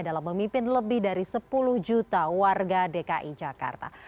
dalam memimpin lebih dari sepuluh juta warga dki jakarta